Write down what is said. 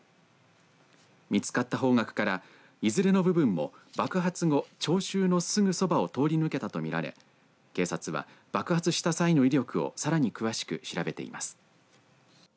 見つかった方角からいずれの部分も爆発後聴衆のすぐそばを通り抜けたと見られ警察は爆発した際の威力をさらに詳しく調べています。